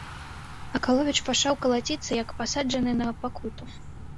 Акаловіч пачаў калаціцца, як пасаджаны на пакуту.